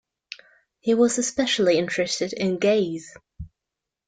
He was especially interested in gaze.